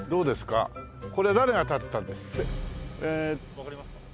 わかりますか？